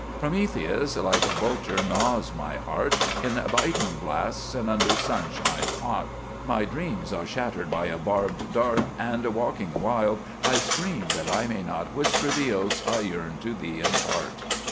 Prometheus like a vulture gnaws my heart, In biting blasts and under sunshine hot. My dreams are shattered by a barbed dart, And, waking wild, I scream that I may not Whisper the oaths I yearn to Thee impart."